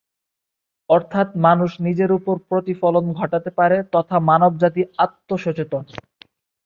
অর্থাৎ মানুষ নিজের উপর প্রতিফলন ঘটাতে পারে তথা মানব জাতি আত্ম-সচেতন।